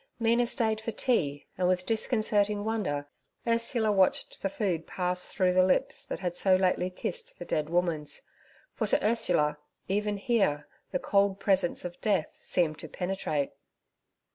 Mina stayed for tea, and with disconcerting wonder Ursula watched the food pass through the lips that had so lately kissed the dead woman's, for to Ursula even here the cold presence of death seemed to penetrate.